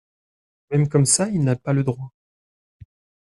Même comme ça, il n’a pas le droit.